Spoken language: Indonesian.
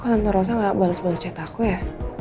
kok tante rosa gak bales bales chat aku ya